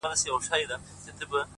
زه هم خطا وتمه؛